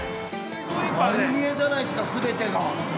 ◆丸見えじゃないですか、全てが。